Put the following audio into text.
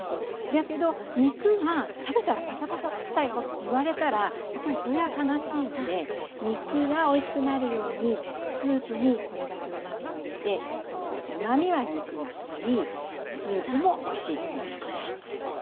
だけど肉が食べたらパサパサだったよって言われたらやっぱりそれは悲しいので肉がおいしくなるようにスープにこれだけうまみを入れてうまみは肉が吸いスープもおいしいっていうふうにしたいと思います。